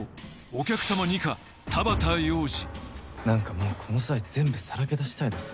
なんかもうこの際全部さらけ出したいですよ。